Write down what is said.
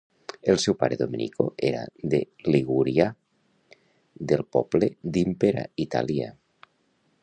El seu pare Domenico era de ligurià, del poble d'Imperia, Itàlia.